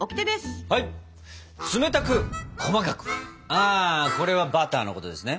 あこれはバターのことですね？